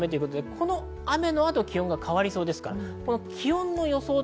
この雨の後、気温が変わりそうです。